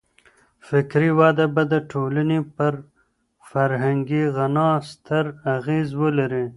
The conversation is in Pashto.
فکري وده به د ټولني پر فرهنګي غنا ستر اغېز ولري.